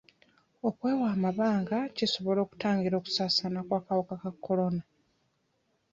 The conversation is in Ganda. Okwewa amabanga kisobola okutangira okusaasaana kw'akawuka ka kolona.